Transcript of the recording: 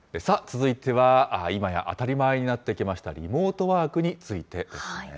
続いては、今や当たり前になってきましたリモートワークについてですね。